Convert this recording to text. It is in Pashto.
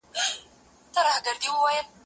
زه به سبا چای تيار کړم؟